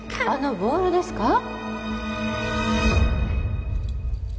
あのボールですか？